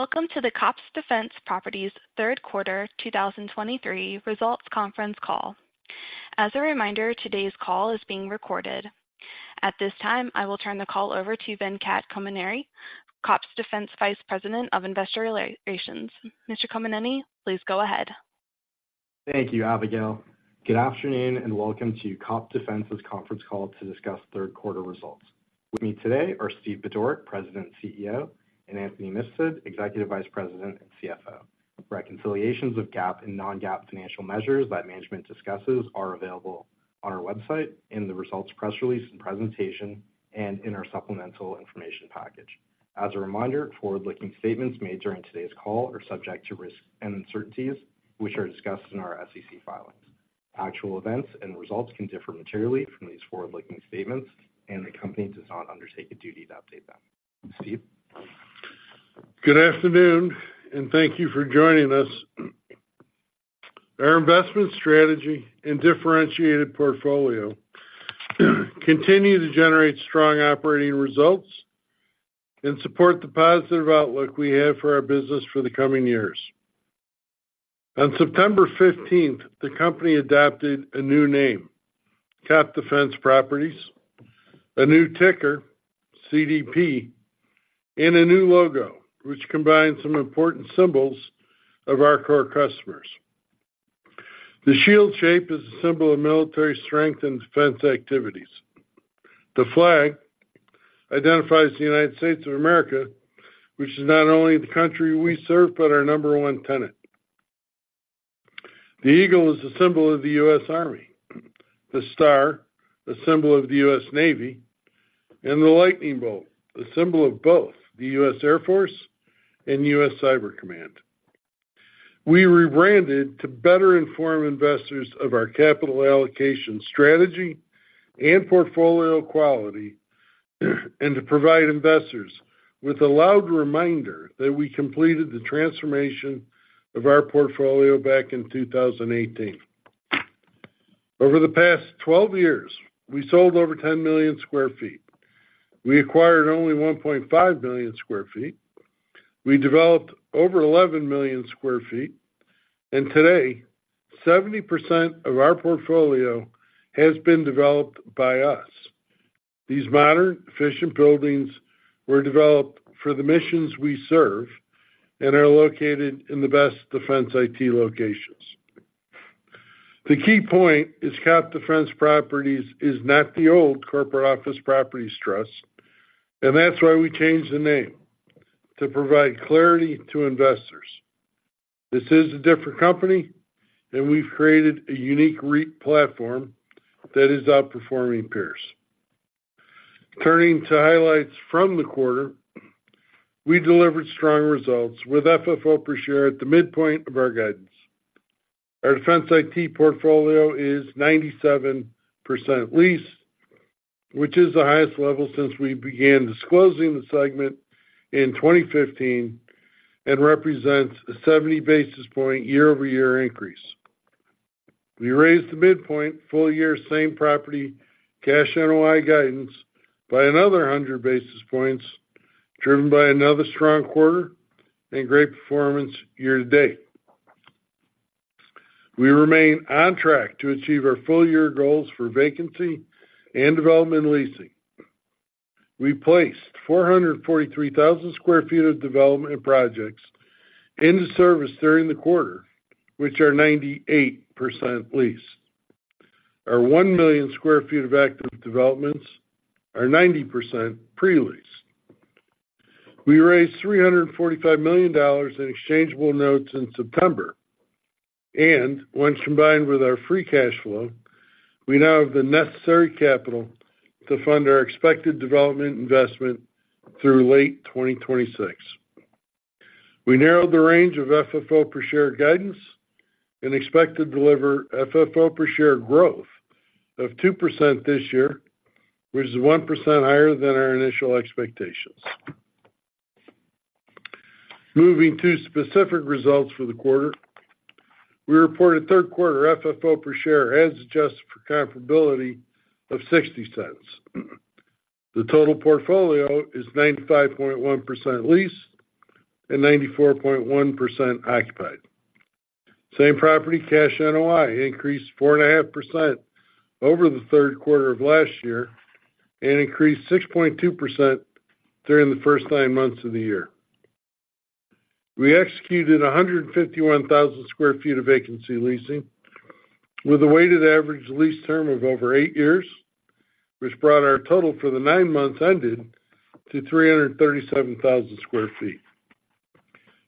Welcome to the COPT Defense Properties third quarter 2023 results conference call. As a reminder, today's call is being recorded. At this time, I will turn the call over to Venkat Kommineni, COPT Defense Properties Vice President of Investor Relations. Mr. Kommineni, please go ahead. Thank you, Abigail. Good afternoon, and welcome to COPT Defense Properties' conference call to discuss third quarter results. With me today are Steve Budorick, President and CEO, and Anthony Mifsud, Executive Vice President and CFO. Reconciliations of GAAP and Non-GAAP financial measures that management discusses are available on our website in the results press release and presentation, and in our supplemental information package. As a reminder, forward-looking statements made during today's call are subject to risks and uncertainties, which are discussed in our SEC filings. Actual events and results can differ materially from these forward-looking statements, and the company does not undertake a duty to update them. Steve? Good afternoon, and thank you for joining us. Our investment strategy and differentiated portfolio continue to generate strong operating results and support the positive outlook we have for our business for the coming years. On September fifteenth, the company adopted a new name, COPT Defense Properties, a new ticker, CDP, and a new logo, which combines some important symbols of our core customers. The shield shape is a symbol of military strength and defense activities. The flag identifies the United States of America, which is not only the country we serve, but our number one tenant. The eagle is a symbol of the U.S. Army, the star, a symbol of the U.S. Navy, and the lightning bolt, a symbol of both the U.S. Air Force and U.S. Cyber Command. We rebranded to better inform investors of our capital allocation strategy and portfolio quality, and to provide investors with a loud reminder that we completed the transformation of our portfolio back in 2018. Over the past 12 years, we sold over 10 million sq ft. We acquired only 1.5 million sq ft. We developed over 11 million sq ft, and today, 70% of our portfolio has been developed by us. These modern, efficient buildings were developed for the missions we serve and are located in the best defense IT locations. The key point is, COPT Defense Properties is not the old Corporate Office Properties Trust, and that's why we changed the name: to provide clarity to investors. This is a different company, and we've created a unique REIT platform that is outperforming peers. Turning to highlights from the quarter, we delivered strong results with FFO per share at the midpoint of our guidance. Our defense IT portfolio is 97% leased, which is the highest level since we began disclosing the segment in 2015 and represents a 70 basis point year-over-year increase. We raised the midpoint full year same property cash NOI guidance by another 100 basis points, driven by another strong quarter and great performance year to date. We remain on track to achieve our full year goals for vacancy and development leasing. We placed 443,000 sq ft of development projects into service during the quarter, which are 98% leased. Our 1,000,000 sq ft of active developments are 90% pre-leased. We raised $345 million in exchangeable notes in September, and when combined with our free cash flow, we now have the necessary capital to fund our expected development investment through late 2026. We narrowed the range of FFO per share guidance and expect to deliver FFO per share growth of 2% this year, which is 1% higher than our initial expectations. Moving to specific results for the quarter, we reported third quarter FFO per share as adjusted for comparability of $0.60. The total portfolio is 95.1% leased and 94.1% occupied. Same property cash NOI increased 4.5% over the third quarter of last year and increased 6.2% during the first 9 months of the year. We executed 151,000 sq ft of vacancy leasing with a weighted average lease term of over 8 years, which brought our total for the 9 months ended to 337,000 sq ft.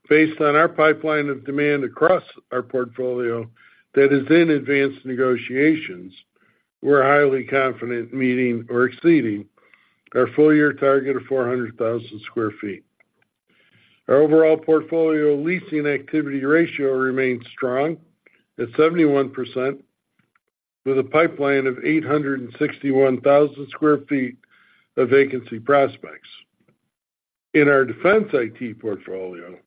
Based on our pipeline of demand across our portfolio that is in advanced negotiations, we're highly confident meeting or exceeding our full year target of 400,000 sq ft. Our overall portfolio leasing activity ratio remains strong at 71%, with a pipeline of 861,000 sq ft of vacancy prospects. In our defense IT portfolio,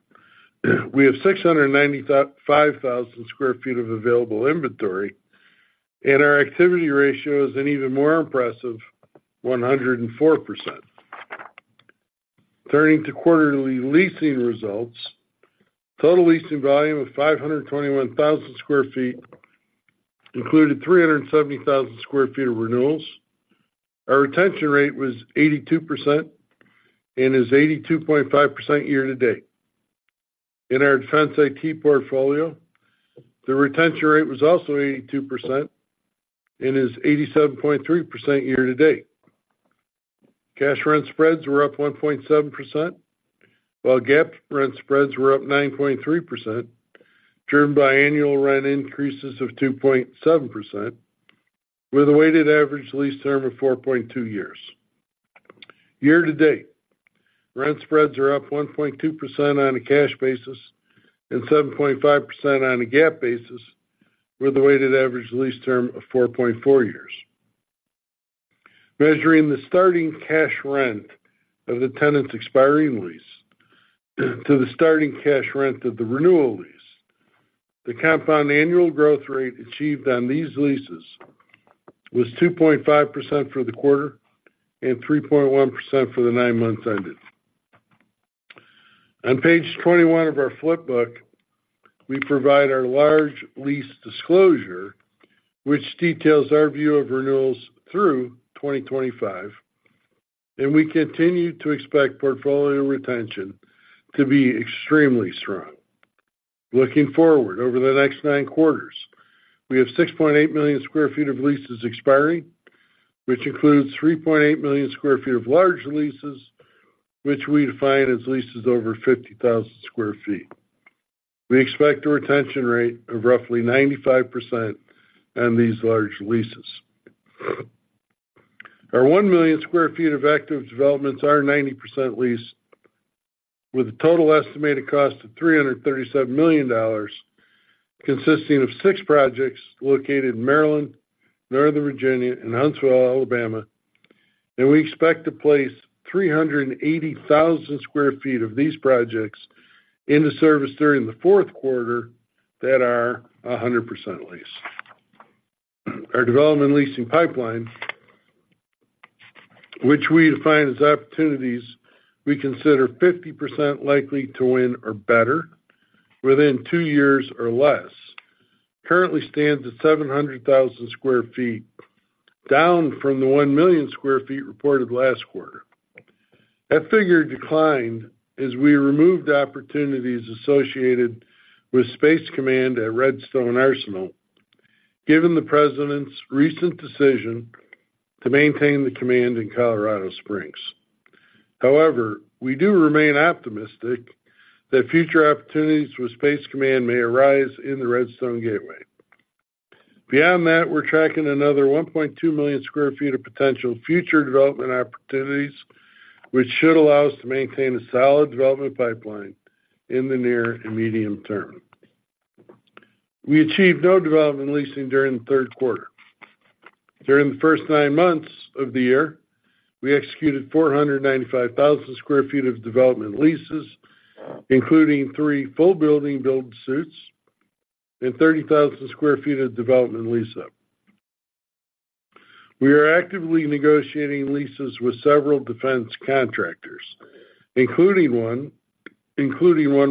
we have 695,000 sq ft of available inventory... Our activity ratio is an even more impressive 104%. Turning to quarterly leasing results, total leasing volume of 521,000 sq ft included 370,000 sq ft of renewals. Our retention rate was 82% and is 82.5% year-to-date. In our defense IT portfolio, the retention rate was also 82% and is 87.3% year-to-date. Cash rent spreads were up 1.7%, while GAAP rent spreads were up 9.3%, driven by annual rent increases of 2.7%, with a weighted average lease term of 4.2 years. Year-to-date, rent spreads are up 1.2% on a cash basis and 7.5% on a GAAP basis, with a weighted average lease term of 4.4 years. Measuring the starting cash rent of the tenant's expiring lease to the starting cash rent of the renewal lease, the Compound Annual Growth Rate achieved on these leases was 2.5% for the quarter and 3.1% for the 9 months ended. On page 21 of our flip book, we provide our large lease disclosure, which details our view of renewals through 2025, and we continue to expect portfolio retention to be extremely strong. Looking forward, over the next 9 quarters, we have 6.8 million sq ft of leases expiring, which includes 3.8 million sq ft of large leases, which we define as leases over 50,000 sq ft. We expect a retention rate of roughly 95% on these large leases. Our 1 million sq ft of active developments are 90% leased, with a total estimated cost of $337 million, consisting of 6 projects located in Maryland, Northern Virginia, and Huntsville, Alabama. We expect to place 380,000 sq ft of these projects into service during the fourth quarter that are 100% leased. Our development leasing pipeline, which we define as opportunities we consider 50% likely to win or better within 2 years or less, currently stands at 700,000 sq ft, down from the 1 million sq ft reported last quarter. That figure declined as we removed opportunities associated with Space Command at Redstone Arsenal, given the President's recent decision to maintain the command in Colorado Springs. However, we do remain optimistic that future opportunities with Space Command may arise in the Redstone Gateway. Beyond that, we're tracking another 1.2 million sq ft of potential future development opportunities, which should allow us to maintain a solid development pipeline in the near and medium term. We achieved no development leasing during the third quarter. During the first nine months of the year, we executed 495,000 sq ft of development leases, including three full building build-to-suits and 30,000 sq ft of development lease up. We are actively negotiating leases with several defense contractors, including one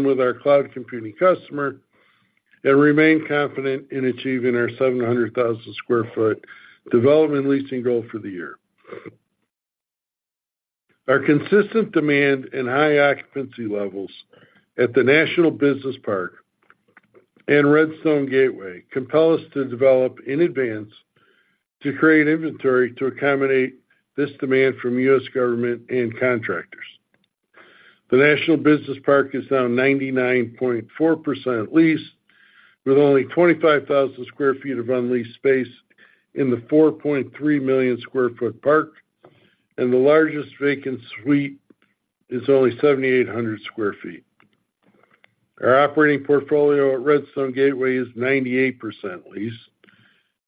with our cloud computing customer, and remain confident in achieving our 700,000 sq ft development leasing goal for the year. Our consistent demand and high occupancy levels at the National Business Park and Redstone Gateway compel us to develop in advance to create inventory to accommodate this demand from U.S. government and contractors. The National Business Park is now 99.4% leased, with only 25,000 sq ft of unleased space in the 4.3 million sq ft park, and the largest vacant suite is only 7,800 sq ft. Our operating portfolio at Redstone Gateway is 98% leased,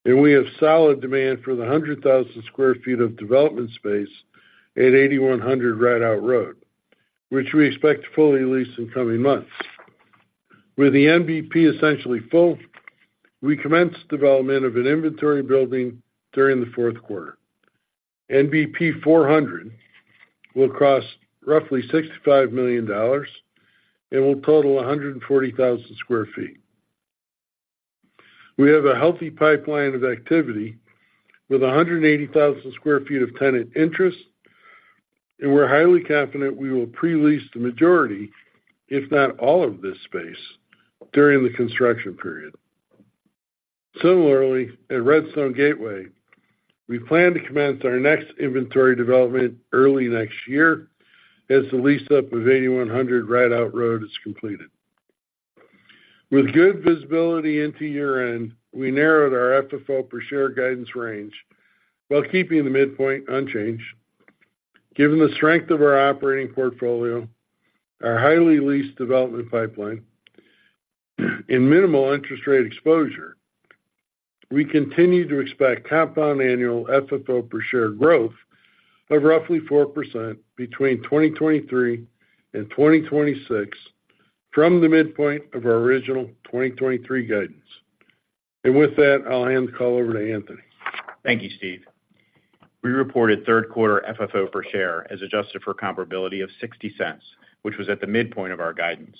and we have solid demand for the 100,000 sq ft of development space at 8,100 Rideout Road, which we expect to fully lease in coming months. With the NBP essentially full, we commenced development of an inventory building during the fourth quarter. NBP 400 will cost roughly $65 million and will total 140,000 sq ft. We have a healthy pipeline of activity with 180,000 sq ft of tenant interest, and we're highly confident we will pre-lease the majority, if not all, of this space during the construction period. Similarly, at Redstone Gateway, we plan to commence our next inventory development early next year as the lease up of 8100 Rideout Road is completed. With good visibility into year-end, we narrowed our FFO per share guidance range while keeping the midpoint unchanged. Given the strength of our operating portfolio, our highly leased development pipeline, and minimal interest rate exposure, we continue to expect compound annual FFO per share growth of roughly 4% between 2023 and 2026... from the midpoint of our original 2023 guidance. And with that, I'll hand the call over to Anthony. Thank you, Steve. We reported third quarter FFO per share as adjusted for comparability of $0.60, which was at the midpoint of our guidance.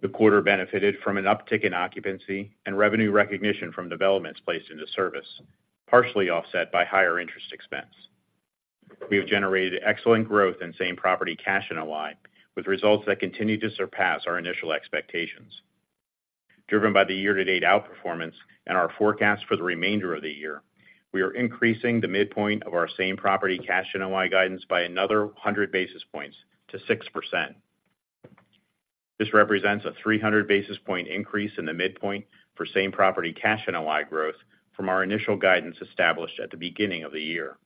The quarter benefited from an uptick in occupancy and revenue recognition from developments placed into service, partially offset by higher interest expense. We have generated excellent growth in same property cash NOI, with results that continue to surpass our initial expectations. Driven by the year-to-date outperformance and our forecast for the remainder of the year, we are increasing the midpoint of our same property cash NOI guidance by another 100 basis points to 6%. This represents a 300 basis point increase in the midpoint for same property cash NOI growth from our initial guidance established at the beginning of the year.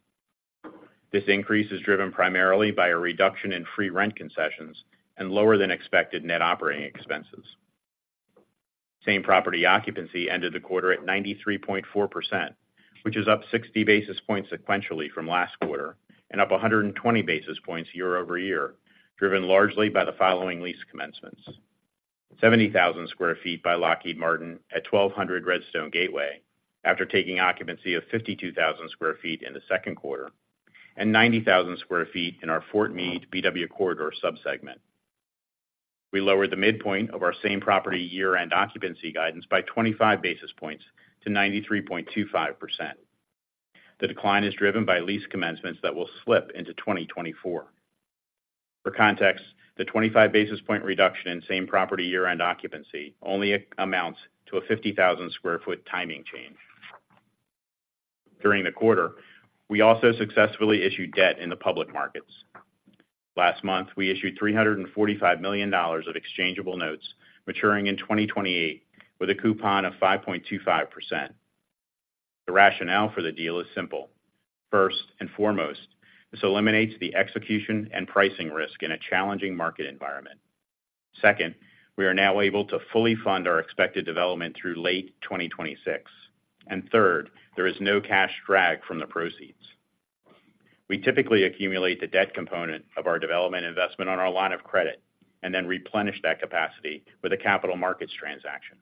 This increase is driven primarily by a reduction in free rent concessions and lower than expected net operating expenses. Same property occupancy ended the quarter at 93.4%, which is up 60 basis points sequentially from last quarter and up 120 basis points year-over-year, driven largely by the following lease commencements: 70,000 sq ft by Lockheed Martin at 1,200 Redstone Gateway, after taking occupancy of 52,000 sq ft in the second quarter, and 90,000 sq ft in our Fort Meade BW Corridor subsegment. We lowered the midpoint of our same property year-end occupancy guidance by 25 basis points to 93.25%. The decline is driven by lease commencements that will slip into 2024. For context, the 25 basis point reduction in same property year-end occupancy only amounts to a 50,000 sq ft timing change. During the quarter, we also successfully issued debt in the public markets. Last month, we issued $345 million of exchangeable notes maturing in 2028 with a coupon of 5.25%. The rationale for the deal is simple. First and foremost, this eliminates the execution and pricing risk in a challenging market environment. Second, we are now able to fully fund our expected development through late 2026. And third, there is no cash drag from the proceeds. We typically accumulate the debt component of our development investment on our line of credit, and then replenish that capacity with a capital markets transaction.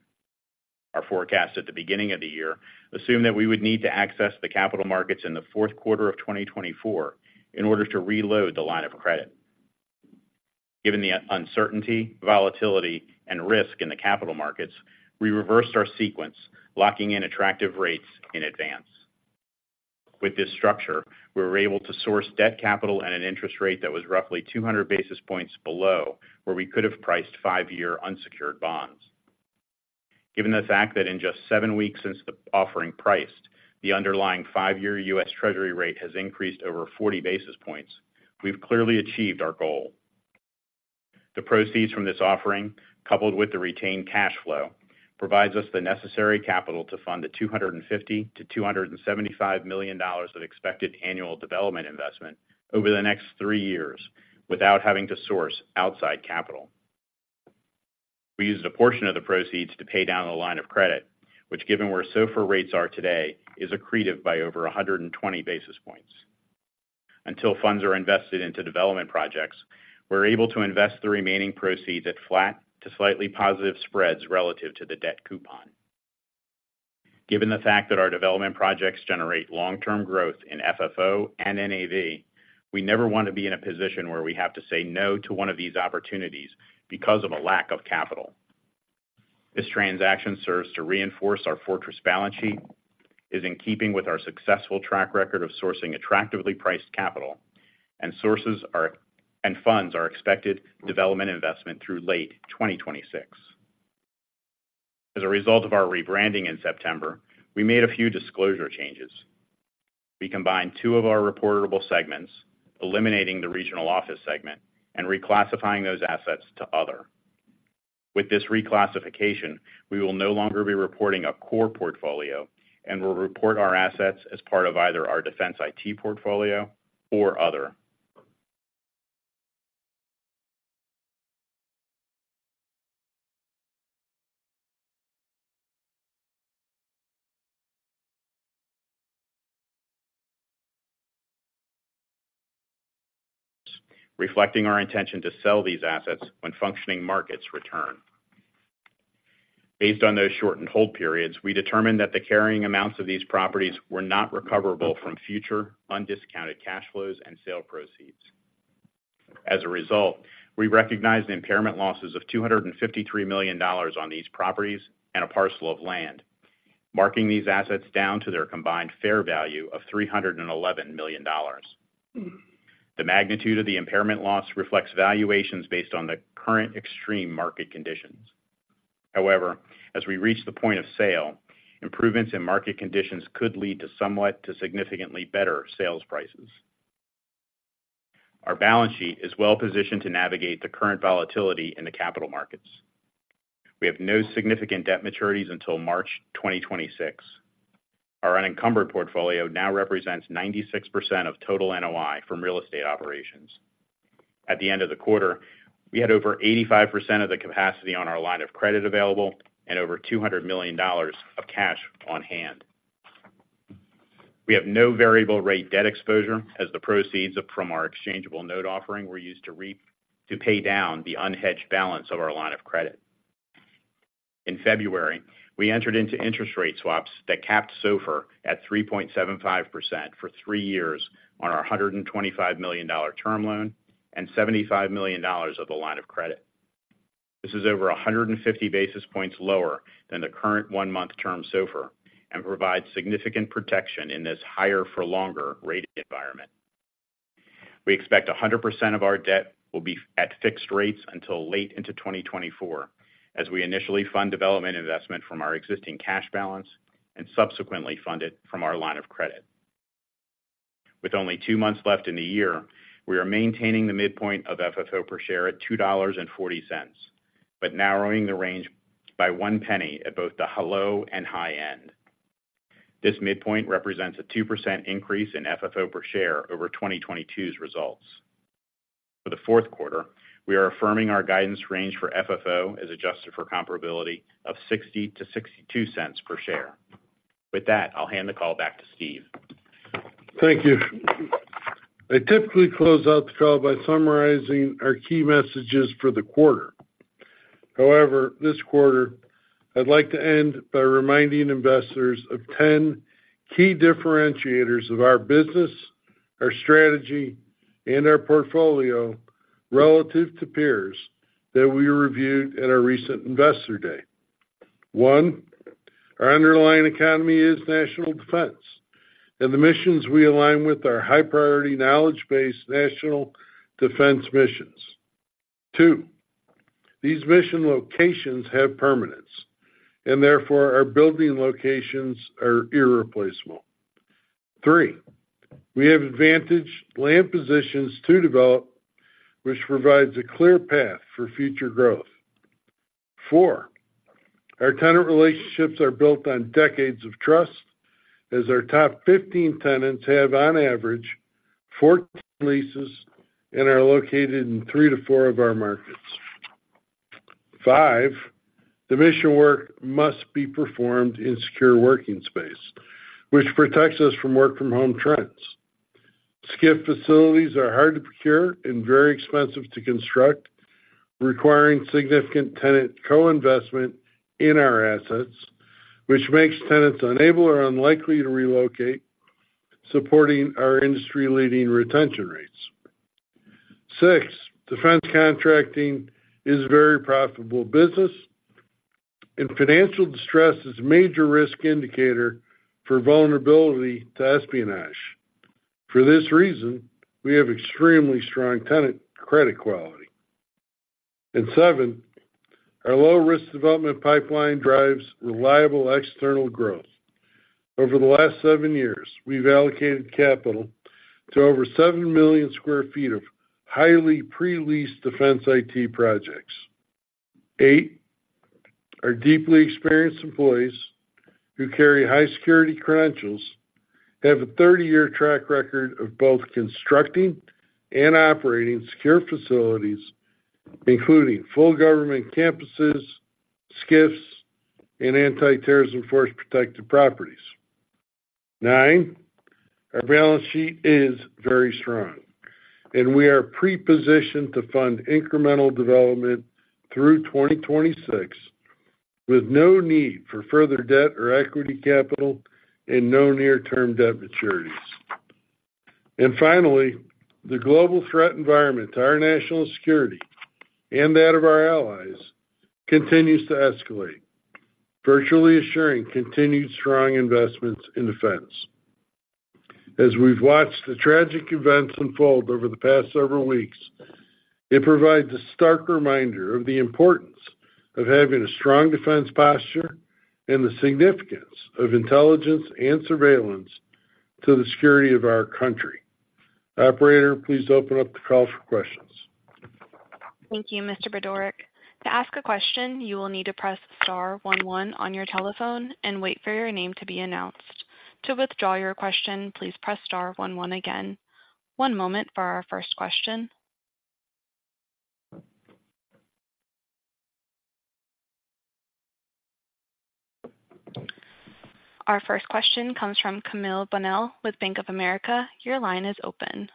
Our forecast at the beginning of the year assumed that we would need to access the capital markets in the fourth quarter of 2024 in order to reload the line of credit. Given the uncertainty, volatility, and risk in the capital markets, we reversed our sequence, locking in attractive rates in advance. With this structure, we were able to source debt capital at an interest rate that was roughly 200 basis points below where we could have priced five-year unsecured bonds. Given the fact that in just 7 weeks since the offering priced, the underlying five-year U.S. Treasury rate has increased over 40 basis points, we've clearly achieved our goal. The proceeds from this offering, coupled with the retained cash flow, provides us the necessary capital to fund the $250 million-$275 million of expected annual development investment over the next three years without having to source outside capital. We used a portion of the proceeds to pay down the line of credit, which, given where SOFR rates are today, is accretive by over 120 basis points. Until funds are invested into development projects, we're able to invest the remaining proceeds at flat to slightly positive spreads relative to the debt coupon. Given the fact that our development projects generate long-term growth in FFO and NAV, we never want to be in a position where we have to say no to one of these opportunities because of a lack of capital. This transaction serves to reinforce our fortress balance sheet, is in keeping with our successful track record of sourcing attractively priced capital, and sources and funds our expected development investment through late 2026. As a result of our rebranding in September, we made a few disclosure changes. We combined two of our reportable segments, eliminating the regional office segment and reclassifying those assets to other. With this reclassification, we will no longer be reporting a core portfolio and will report our assets as part of either our defense IT portfolio or other. Reflecting our intention to sell these assets when functioning markets return. Based on those shortened hold periods, we determined that the carrying amounts of these properties were not recoverable from future undiscounted cash flows and sale proceeds. As a result, we recognized impairment losses of $253 million on these properties and a parcel of land, marking these assets down to their combined fair value of $311 million. The magnitude of the impairment loss reflects valuations based on the current extreme market conditions. However, as we reach the point of sale, improvements in market conditions could lead to somewhat to significantly better sales prices. Our balance sheet is well positioned to navigate the current volatility in the capital markets. We have no significant debt maturities until March 2026. Our unencumbered portfolio now represents 96% of total NOI from real estate operations. At the end of the quarter, we had over 85% of the capacity on our line of credit available and over $200 million of cash on hand. We have no variable rate debt exposure as the proceeds from our exchangeable note offering were used to pay down the unhedged balance of our line of credit. In February, we entered into interest rate swaps that capped SOFR at 3.75% for three years on our $125 million term loan and $75 million of the line of credit. This is over 150 basis points lower than the current one-month term SOFR and provides significant protection in this higher for longer rate environment. We expect 100% of our debt will be at fixed rates until late into 2024, as we initially fund development investment from our existing cash balance and subsequently fund it from our line of credit. With only two months left in the year, we are maintaining the midpoint of FFO per share at $2.40, but narrowing the range by one penny at both the low and high end. This midpoint represents a 2% increase in FFO per share over 2022's results. For the fourth quarter, we are affirming our guidance range for FFO, as adjusted for comparability, of $0.60-$0.62 per share. With that, I'll hand the call back to Steve. Thank you. I typically close out the call by summarizing our key messages for the quarter. However, this quarter, I'd like to end by reminding investors of 10 key differentiators of our business, our strategy, and our portfolio relative to peers that we reviewed at our recent Investor Day. 1, our underlying economy is national defense, and the missions we align with are high-priority, knowledge-based national defense missions. 2, these mission locations have permanence, and therefore our building locations are irreplaceable. 3, we have advantaged land positions to develop, which provides a clear path for future growth. 4, our tenant relationships are built on decades of trust, as our top 15 tenants have, on average, 14 leases and are located in 3 to 4 of our markets. 5, the mission work must be performed in secure working space, which protects us from work from home trends. SCIF facilities are hard to procure and very expensive to construct, requiring significant tenant co-investment in our assets, which makes tenants unable or unlikely to relocate, supporting our industry-leading retention rates. Six defense contracting is a very profitable business, and financial distress is a major risk indicator for vulnerability to espionage. For this reason, we have extremely strong tenant credit quality. And seven, our low-risk development pipeline drives reliable external growth. Over the last 7 years, we've allocated capital to over 7 million sq ft of highly pre-leased defense IT projects. Eight, our deeply experienced employees, who carry high security credentials, have a 30-year track record of both constructing and operating secure facilities, including full government campuses, SCIFs, and anti-terrorism force protective properties. 9, our balance sheet is very strong, and we are pre-positioned to fund incremental development through 2026, with no need for further debt or equity capital and no near-term debt maturities. And finally, the global threat environment to our national security and that of our allies continues to escalate, virtually assuring continued strong investments in defense. As we've watched the tragic events unfold over the past several weeks, it provides a stark reminder of the importance of having a strong defense posture and the significance of intelligence and surveillance to the security of our country. Operator, please open up the call for questions. Thank you, Mr. Budorick. To ask a question, you will need to press star one one on your telephone and wait for your name to be announced. To withdraw your question, please press star one one again. One moment for our first question. Our first question comes from Camille Bonnel with Bank of America. Your line is open.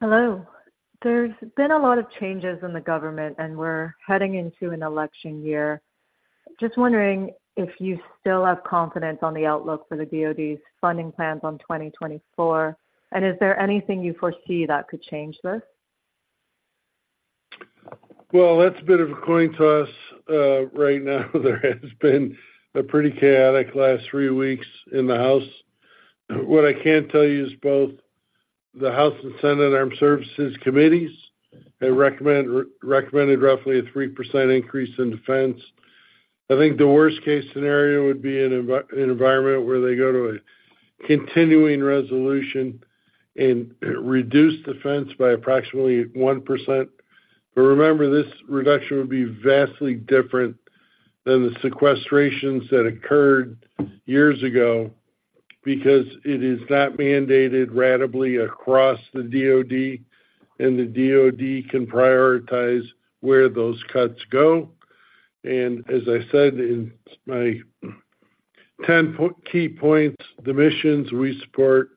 Hello. There's been a lot of changes in the government, and we're heading into an election year. Just wondering if you still have confidence on the outlook for the DoD's funding plans on 2024, and is there anything you foresee that could change this? Well, that's a bit of a coin toss. Right now, there has been a pretty chaotic last three weeks in the House. What I can tell you is both the House and Senate Armed Services Committees have recommended roughly a 3% increase in defense. I think the worst-case scenario would be an environment where they go to a continuing resolution and reduce defense by approximately 1%. But remember, this reduction would be vastly different than the sequestrations that occurred years ago, because it is not mandated ratably across the DoD, and the DoD can prioritize where those cuts go. And as I said in my key points, the missions we support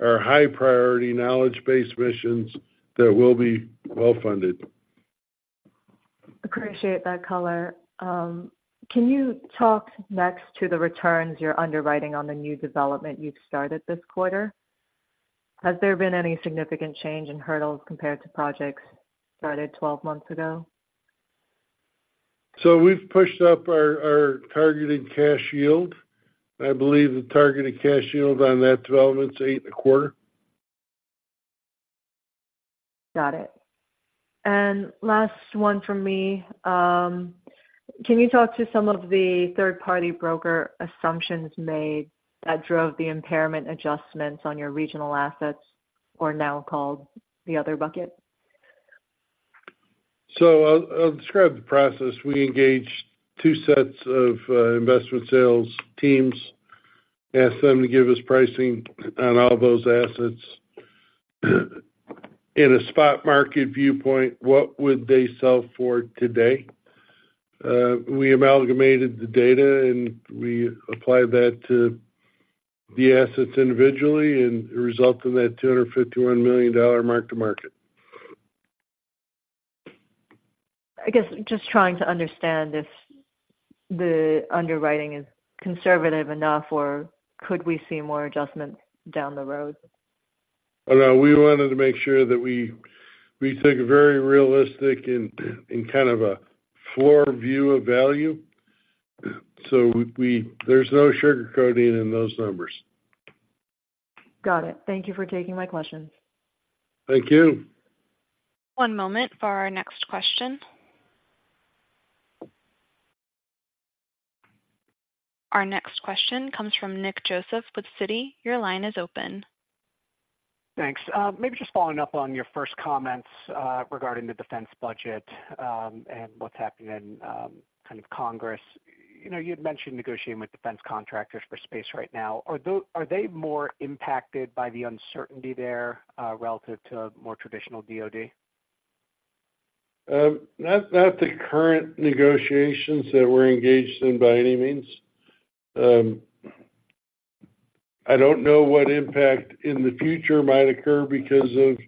are high priority, knowledge-based missions that will be well-funded. Appreciate that color. Can you talk next to the returns you're underwriting on the new development you've started this quarter? Has there been any significant change in hurdles compared to projects started 12 months ago? So we've pushed up our targeted cash yield. I believe the targeted cash yield on that development is 8.25%. Got it. Last one from me. Can you talk to some of the third-party broker assumptions made that drove the impairment adjustments on your regional assets, or now called the other bucket? So I'll describe the process. We engaged two sets of investment sales teams, asked them to give us pricing on all those assets. In a spot market viewpoint, what would they sell for today? We amalgamated the data, and we applied that to the assets individually, and it resulted in that $251 million mark to market. I guess, just trying to understand if the underwriting is conservative enough, or could we see more adjustments down the road? Oh, no. We wanted to make sure that we took a very realistic and kind of a floor view of value. So there's no sugarcoating in those numbers. Got it. Thank you for taking my questions. Thank you. One moment for our next question. Our next question comes from Nick Joseph with Citi. Your line is open. Thanks. Maybe just following up on your first comments regarding the defense budget and what's happening in kind of Congress. You know, you'd mentioned negotiating with defense contractors for space right now. Are they more impacted by the uncertainty there relative to more traditional DoD? Not the current negotiations that we're engaged in by any means. I don't know what impact in the future might occur because of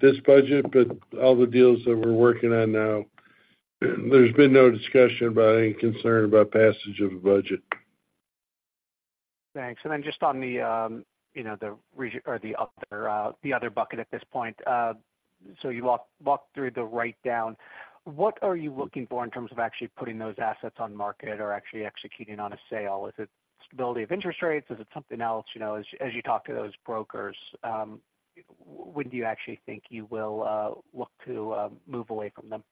this budget, but all the deals that we're working on now, there's been no discussion about any concern about passage of the budget. Thanks. And then just on the, you know, the other bucket at this point. So you walked through the write down. What are you looking for in terms of actually putting those assets on market or actually executing on a sale? Is it stability of interest rates? Is it something else? You know, as you talk to those brokers, when do you actually think you will look to move away from them?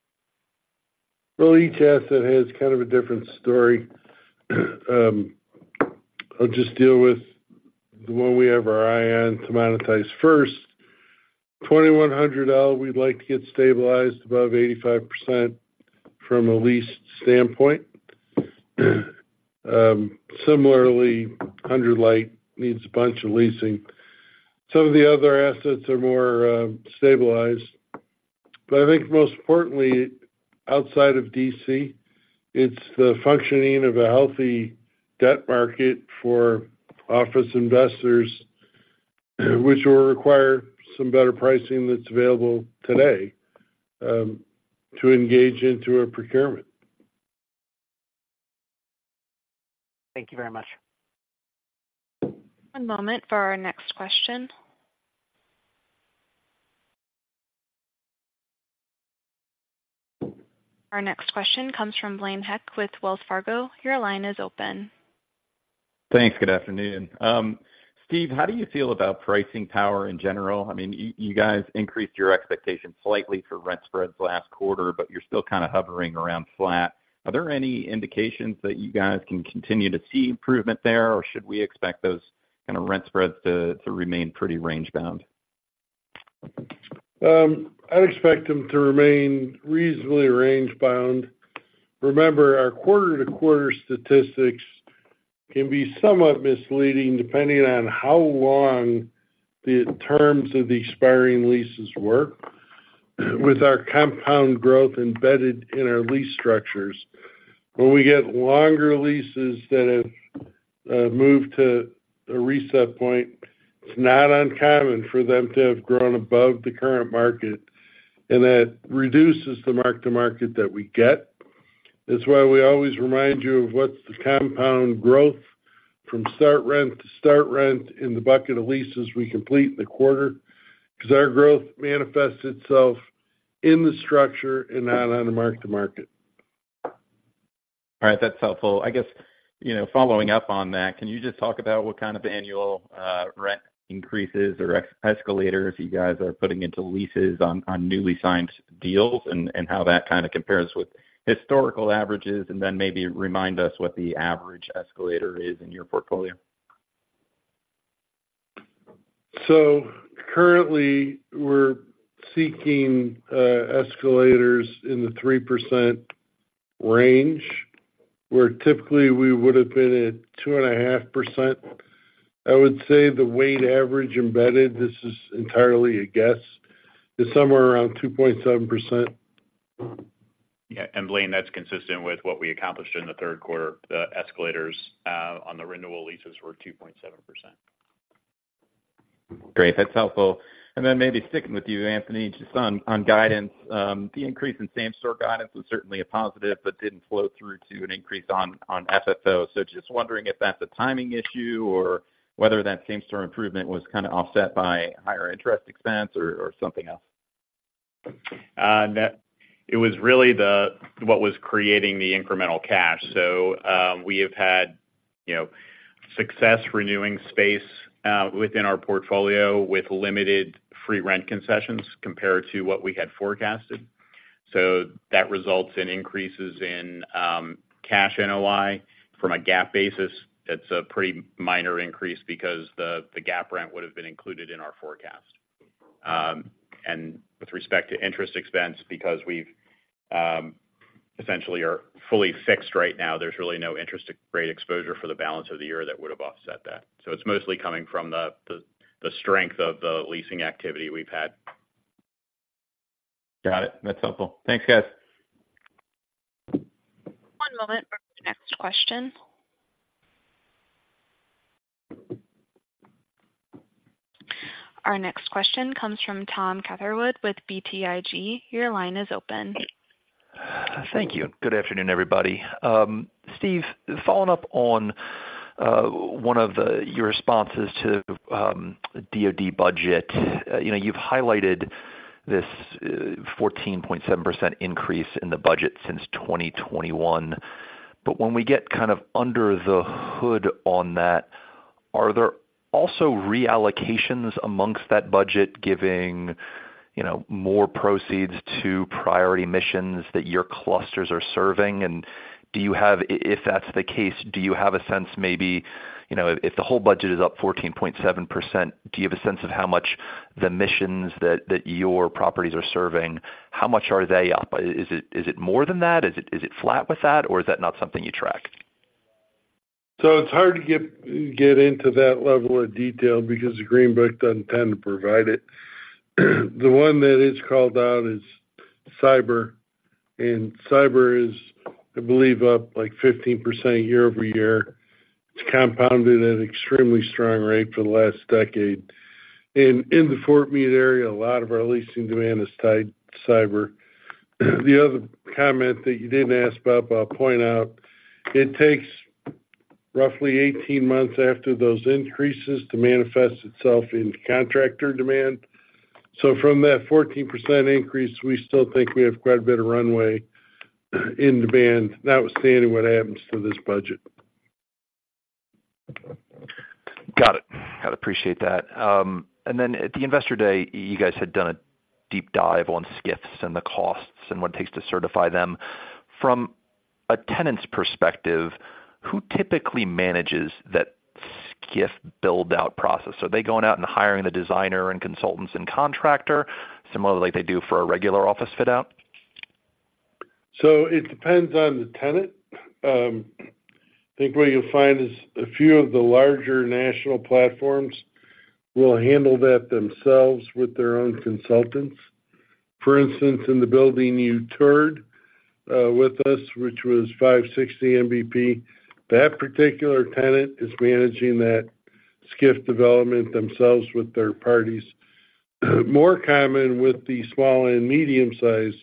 Well, each asset has kind of a different story. I'll just deal with the one we have our eye on to monetize first. 2100 L, we'd like to get stabilized above 85% from a lease standpoint. Similarly, 100 Light needs a bunch of leasing. Some of the other assets are more stabilized, but I think most importantly, outside of D.C., it's the functioning of a healthy debt market for office investors, which will require some better pricing that's available today, to engage into a procurement. Thank you very much. One moment for our next question. Our next question comes from Blaine Heck with Wells Fargo. Your line is open. Thanks. Good afternoon. Steve, how do you feel about pricing power in general? I mean, you, you guys increased your expectations slightly for rent spreads last quarter, but you're still kind of hovering around flat. Are there any indications that you guys can continue to see improvement there, or should we expect those kind of rent spreads to, to remain pretty range bound? I expect them to remain reasonably range-bound. Remember, our quarter-to-quarter statistics can be somewhat misleading, depending on how long the terms of the expiring leases were, with our compound growth embedded in our lease structures. When we get longer leases that have moved to a reset point, it's not uncommon for them to have grown above the current market, and that reduces the mark-to-market that we get. That's why we always remind you of what's the compound growth from start rent to start rent in the bucket of leases we complete in the quarter, because our growth manifests itself in the structure and not on the mark to market. All right, that's helpful. I guess, you know, following up on that, can you just talk about what kind of annual rent increases or escalator if you guys are putting into leases on newly signed deals, and how that kind of compares with historical averages, and then maybe remind us what the average escalator is in your portfolio? Currently, we're seeking escalators in the 3% range, where typically we would have been at 2.5%. I would say the weighted average embedded, this is entirely a guess, is somewhere around 2.7%.... Yeah, and Blaine, that's consistent with what we accomplished in the third quarter. The escalators on the renewal leases were 2.7%. Great, that's helpful. And then maybe sticking with you, Anthony, just on guidance. The increase in same-store guidance was certainly a positive, but didn't flow through to an increase on FFO. So just wondering if that's a timing issue or whether that same-store improvement was kind of offset by higher interest expense or something else? That it was really what was creating the incremental cash. So, we have had, you know, success renewing space within our portfolio with limited free rent concessions compared to what we had forecasted. So that results in increases in cash NOI. From a GAAP basis, that's a pretty minor increase because the GAAP rent would have been included in our forecast. And with respect to interest expense, because we've essentially are fully fixed right now, there's really no interest rate exposure for the balance of the year that would have offset that. So it's mostly coming from the strength of the leasing activity we've had. Got it. That's helpful. Thanks, guys. One moment for the next question. Our next question comes from Tom Catherwood with BTIG. Your line is open. Thank you. Good afternoon, everybody. Steve, following up on one of your responses to DoD budget. You know, you've highlighted this 14.7% increase in the budget since 2021. But when we get kind of under the hood on that, are there also reallocations among that budget giving, you know, more proceeds to priority missions that your clusters are serving? And if that's the case, do you have a sense maybe, you know, if the whole budget is up 14.7%, do you have a sense of how much the missions that your properties are serving, how much are they up? Is it more than that? Is it flat with that, or is that not something you track? So it's hard to get into that level of detail because the Green Book doesn't tend to provide it. The one that is called out is cyber, and cyber is, I believe, up like 15% year-over-year. It's compounded at an extremely strong rate for the last decade. And in the Fort Meade area, a lot of our leasing demand is tied to cyber. The other comment that you didn't ask about, but I'll point out, it takes roughly 18 months after those increases to manifest itself in contractor demand. So from that 14% increase, we still think we have quite a bit of runway in demand, notwithstanding what happens to this budget. Got it. I appreciate that. And then at the Investor Day, you guys had done a deep dive on SCIFs and the costs and what it takes to certify them. From a tenant's perspective, who typically manages that SCIF build-out process? Are they going out and hiring the designer and consultants and contractor, similar like they do for a regular office fit out? It depends on the tenant. I think what you'll find is a few of the larger national platforms will handle that themselves with their own consultants. For instance, in the building you toured with us, which was 560 NBP, that particular tenant is managing that SCIF development themselves with their parties. More common with the small and medium-sized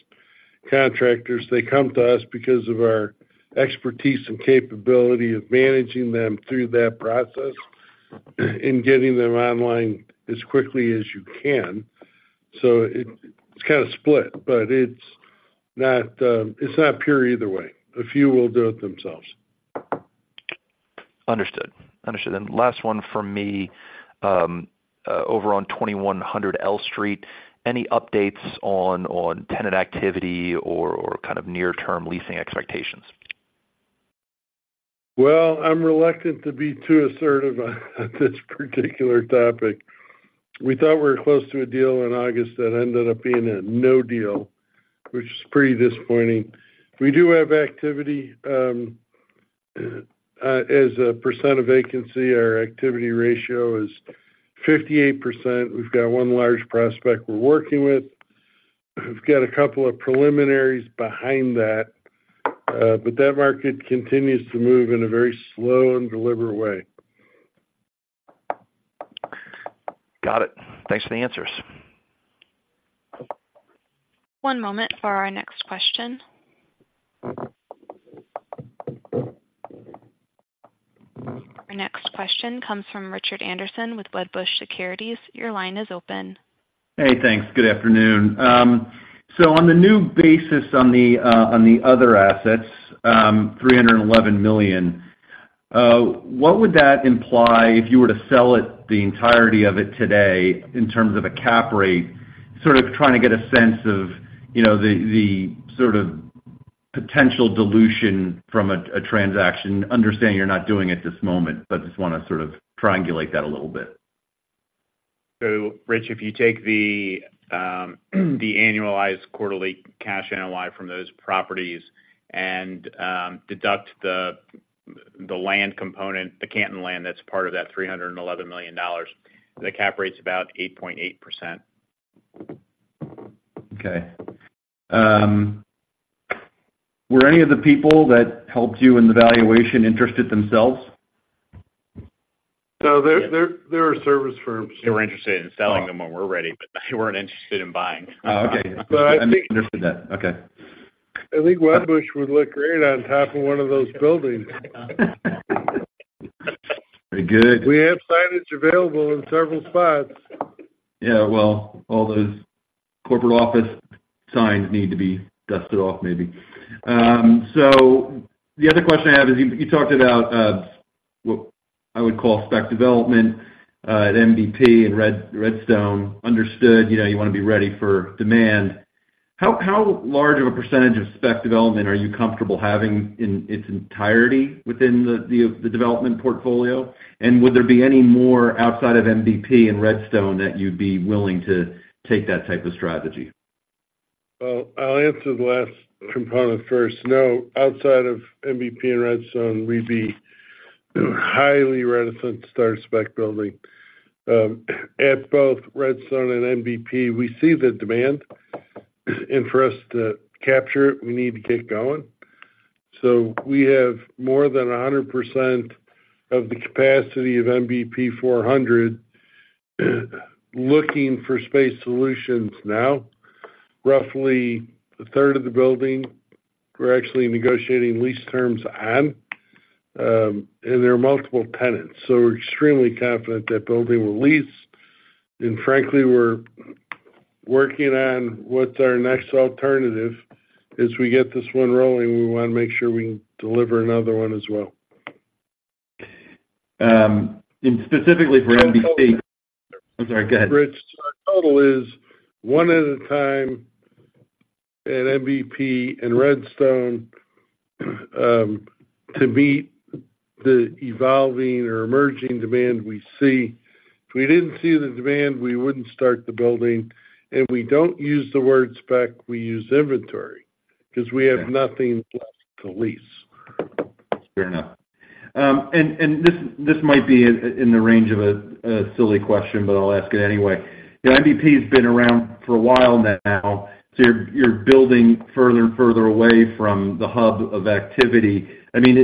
contractors, they come to us because of our expertise and capability of managing them through that process, and getting them online as quickly as you can. It, it's kind of split, but it's not, it's not pure either way. A few will do it themselves. Understood. Understood. And last one from me, over on 2100 L Street, any updates on tenant activity or kind of near-term leasing expectations? Well, I'm reluctant to be too assertive about this particular topic. We thought we were close to a deal in August that ended up being a no deal, which is pretty disappointing. We do have activity, as a percent of vacancy, our activity ratio is 58%. We've got one large prospect we're working with. We've got a couple of preliminaries behind that, but that market continues to move in a very slow and deliberate way. Got it. Thanks for the answers. One moment for our next question. Our next question comes from Richard Anderson with Wedbush Securities. Your line is open. Hey, thanks. Good afternoon. So on the new basis on the other assets, $311 million, what would that imply if you were to sell it, the entirety of it today, in terms of a cap rate? Sort of trying to get a sense of, you know, the sort of potential dilution from a transaction. Understanding you're not doing it this moment, but just wanna sort of triangulate that a little bit. So Rich, if you take the annualized quarterly cash NOI from those properties and deduct the land component, the Canton land, that's part of that $311 million, the cap rate's about 8.8%. Okay. Were any of the people that helped you in the valuation interested themselves? There are service firms- They were interested in selling them when we're ready, but they weren't interested in buying. Oh, okay. But I think- Understood that. Okay. I think Wedbush would look great on top of one of those buildings. Very good. We have signage available in several spots. Yeah, well, all those Corporate Office signs need to be dusted off, maybe. The other question I have is, you talked about what I would call spec development at MVP and Redstone. Understood, you know, you wanna be ready for demand. How large of a percentage of spec development are you comfortable having in its entirety within the development portfolio? Would there be any more outside of MVP and Redstone that you'd be willing to take that type of strategy? Well, I'll answer the last component first. No, outside of MVP and Redstone, we'd be highly reticent to start a spec building. At both Redstone and MVP, we see the demand, and for us to capture it, we need to get going. So we have more than 100% of the capacity of MVP 400 looking for space solutions now. Roughly a third of the building, we're actually negotiating lease terms on, and there are multiple tenants. So we're extremely confident that building will lease, and frankly, we're working on what's our next alternative. As we get this one rolling, we wanna make sure we deliver another one as well. Specifically for MVP- I'm sorry, go ahead. Rich, our total is one at a time at MVP and Redstone to meet the evolving or emerging demand we see. If we didn't see the demand, we wouldn't start the building, and we don't use the word spec, we use inventory, 'cause we have nothing left to lease. Fair enough. This might be in the range of a silly question, but I'll ask it anyway. The IGP has been around for a while now, so you're building further and further away from the hub of activity. I mean,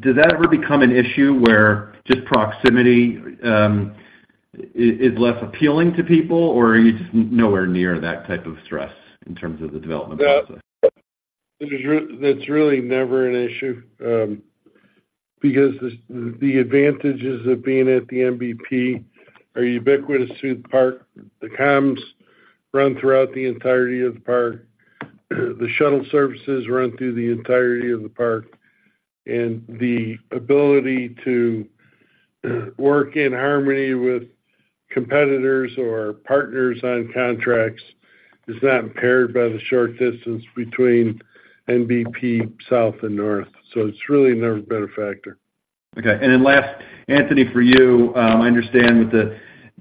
does that ever become an issue where just proximity is less appealing to people, or are you just nowhere near that type of stress in terms of the development process? That, that's really never an issue, because the advantages of being at the NBP are ubiquitous through the park. The comms run throughout the entirety of the park, and the ability to work in harmony with competitors or partners on contracts is not impaired by the short distance between NBP South and North. So it's really never been a factor. Okay. Then last, Anthony, for you, I understand with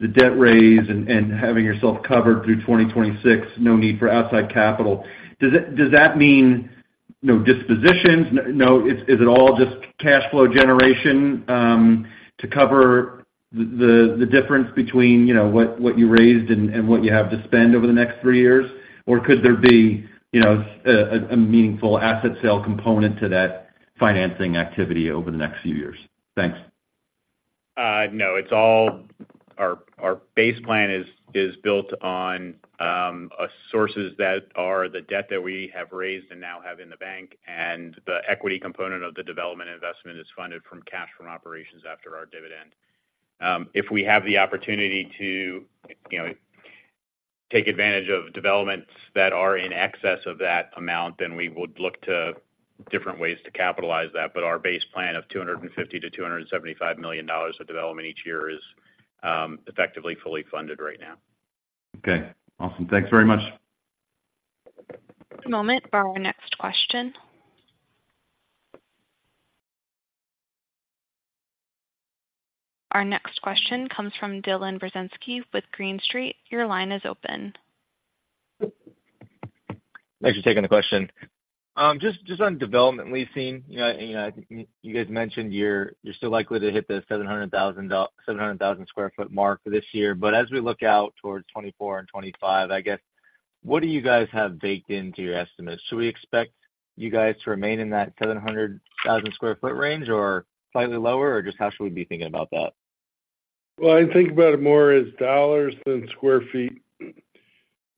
the debt raise and having yourself covered through 2026, no need for outside capital. Does it—does that mean no dispositions? No, is it all just cash flow generation to cover the difference between, you know, what you raised and what you have to spend over the next three years? Or could there be, you know, a meaningful asset sale component to that financing activity over the next few years? Thanks. No, it's all our base plan is built on sources that are the debt that we have raised and now have in the bank, and the equity component of the development investment is funded from cash from operations after our dividend. If we have the opportunity to, you know, take advantage of developments that are in excess of that amount, then we would look to different ways to capitalize that. But our base plan of $250 million-$275 million of development each year is effectively fully funded right now. Okay, awesome. Thanks very much. Moment for our next question. Our next question comes from Dylan Burzinski with Green Street. Your line is open. Thanks for taking the question. Just, just on development leasing, you know, you know, you guys mentioned you're, you're still likely to hit the 700,000 sq ft mark for this year. But as we look out towards 2024 and 2025, I guess, what do you guys have baked into your estimates? Should we expect you guys to remain in that 700,000 sq ft range or slightly lower, or just how should we be thinking about that? Well, I think about it more as dollars than square feet,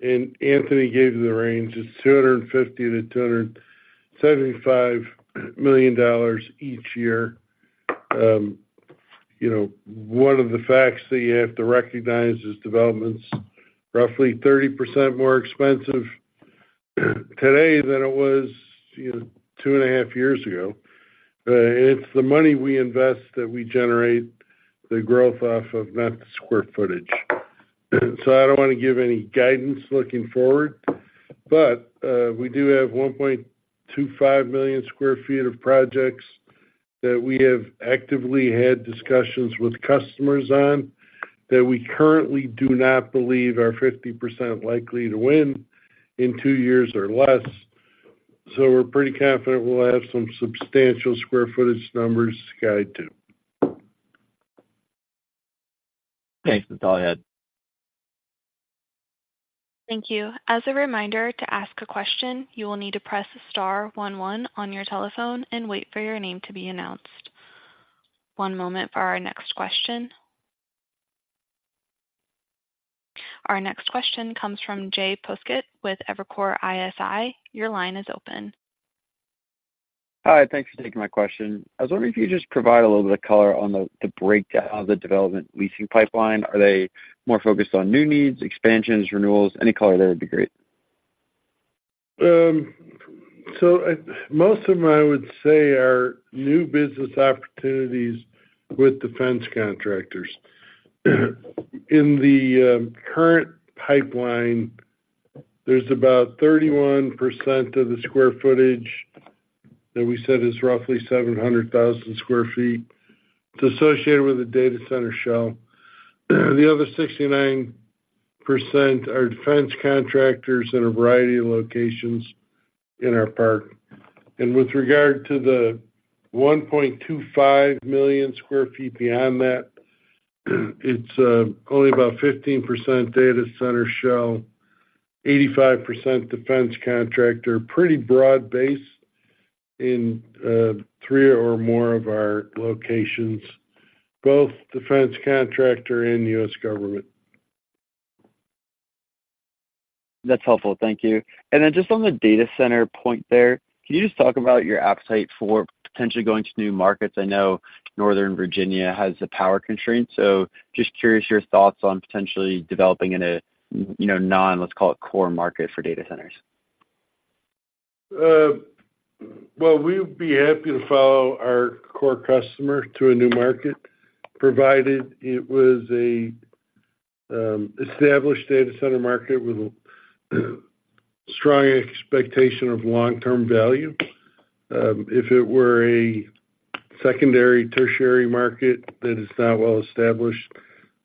and Anthony gave you the range. It's $250 million-$275 million each year. You know, one of the facts that you have to recognize is development's roughly 30% more expensive today than it was, you know, two and a half years ago. It's the money we invest that we generate the growth off of, not the square footage. So I don't wanna give any guidance looking forward, but we do have 1.25 million sq ft of projects that we have actively had discussions with customers on, that we currently do not believe are 50% likely to win in two years or less. So we're pretty confident we'll have some substantial square footage numbers to guide to.... Thanks, Mr. Budorick. Thank you. As a reminder, to ask a question, you will need to press star one one on your telephone and wait for your name to be announced. One moment for our next question. Our next question comes from Jay Poskitt with Evercore ISI. Your line is open. Hi, thanks for taking my question. I was wondering if you could just provide a little bit of color on the breakdown of the development leasing pipeline. Are they more focused on new needs, expansions, renewals? Any color there would be great. Most of them, I would say, are new business opportunities with defense contractors. In the current pipeline, there's about 31% of the square footage, that we said is roughly 700,000 sq ft, it's associated with a data center shell. The other 69% are defense contractors in a variety of locations in our park. And with regard to the 1.25 million sq ft beyond that, it's only about 15% data center shell, 85% defense contractor. Pretty broad base in three or more of our locations, both defense contractor and U.S. government. That's helpful. Thank you. And then just on the data center point there, can you just talk about your appetite for potentially going to new markets? I know Northern Virginia has a power constraint, so just curious your thoughts on potentially developing in a, you know, non, let's call it, core market for data centers. Well, we would be happy to follow our core customer to a new market, provided it was a established data center market with a strong expectation of long-term value. If it were a secondary, tertiary market that is not well established,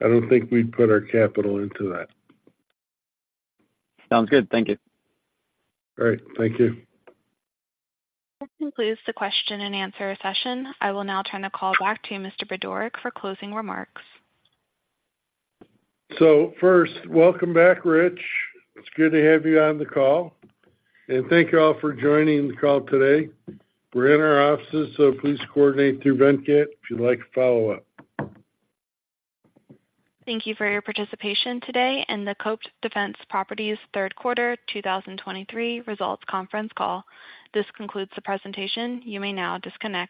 I don't think we'd put our capital into that. Sounds good. Thank you. All right. Thank you. This concludes the question and answer session. I will now turn the call back to Mr. Budorick for closing remarks. First, welcome back, Rich. It's good to have you on the call, and thank you all for joining the call today. We're in our offices, so please coordinate through Venkat if you'd like a follow-up. Thank you for your participation today in the COPT Defense Properties Third Quarter 2023 Results Conference Call. This concludes the presentation. You may now disconnect.